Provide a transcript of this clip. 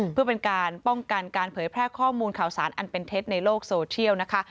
เพื่อเป็นการป้องกันการเผยแพร่ข้อมูลข่าวสารอันเป็นเท็จในโลกโซเชียลนะคะ